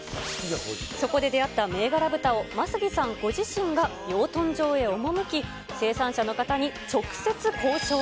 そこで出会った銘柄豚を眞杉さんご自身が養豚場へ赴き、生産者の方に直接交渉。